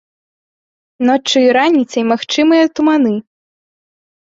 Ноччу і раніцай магчымыя туманы.